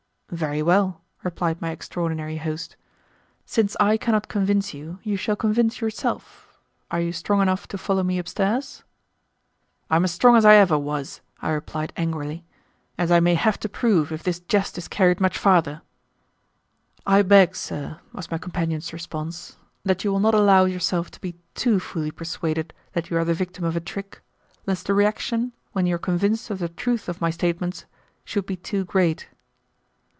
"Very well," replied my extraordinary host. "Since I cannot convince you, you shall convince yourself. Are you strong enough to follow me upstairs?" "I am as strong as I ever was," I replied angrily, "as I may have to prove if this jest is carried much farther." "I beg, sir," was my companion's response, "that you will not allow yourself to be too fully persuaded that you are the victim of a trick, lest the reaction, when you are convinced of the truth of my statements, should be too great."